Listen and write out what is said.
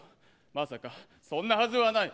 まさか、そんなはずはない。